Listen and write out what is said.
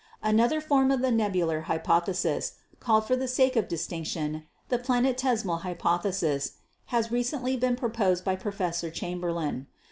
Another form of the nebular hypothesis, called for the sake of distinction the Planetesimal Hypothesis, has re cently been proposed by Professor Chamberlin.